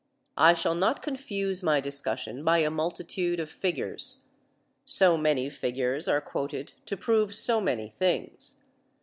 I shall not confuse my discussion by a multitude of figures. So many figures are quoted to prove so many things.